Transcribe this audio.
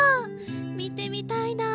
みてみたいなあ！